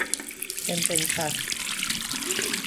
Sen pensar.